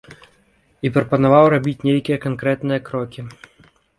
І прапанаваў рабіць нейкія канкрэтныя крокі.